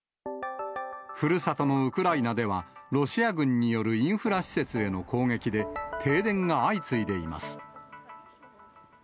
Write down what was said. ふるさとのウクライナでは、ロシア軍によるインフラ施設への攻撃で、停電が相次いでいます。